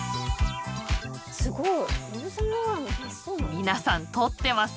皆さん撮ってますね。